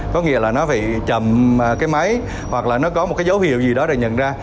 có nghĩa là nó bị chậm cái máy hoặc là nó có một cái dấu hiệu gì đó để nhận ra